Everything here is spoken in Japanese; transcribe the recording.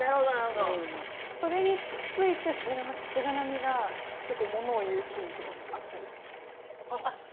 それについて菅波が物を言うシーンとかもあったりするんですよ。